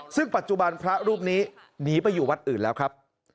ซึ่งปัจจุบันพระรูปนี้หนีไปอยู่วัดอื่นแล้วครับ